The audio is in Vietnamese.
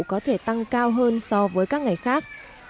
có thể tăng cao hơn so với các ngày khác